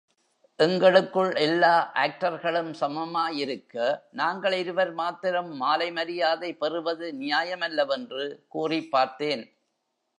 எங்களுக்குள் எல்லா ஆக்டர்களும் சமமாயிருக்க, நாங்கள் இருவர் மாத்திரம் மாலை மரியாதை பெறுவது நியாயமல்ல வென்று கூறிப் பார்த்தேன்.